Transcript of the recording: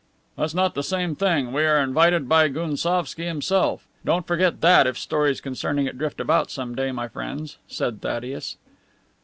"That's not the same thing. We are invited by Gounsovski himself. Don't forget that, if stories concerning it drift about some day, my friends," said Thaddeus.